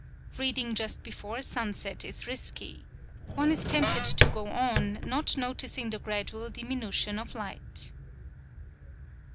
Reading just before sunset is risky. One is tempted to go on, not noticing the gradual diminution of light.